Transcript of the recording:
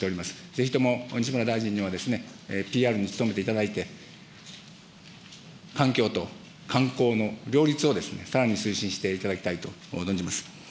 ぜひとも西村大臣にはＰＲに努めていただいて、環境と観光の両立をさらに推進していただきたいと存じます。